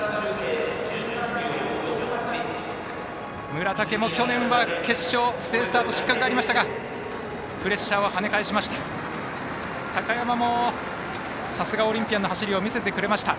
村竹も去年は決勝で不正スタート失格がありましたがプレッシャー跳ね返しました。